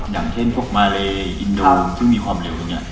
อย่างเช่นพวกมาเลอินโดซึ่งมีความเร็วเนี่ย